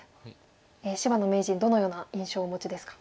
芝野名人どのような印象をお持ちですか？